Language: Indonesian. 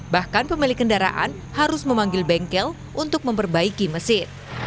bahkan pemilik kendaraan harus memanggil bengkel untuk memperbaiki mesin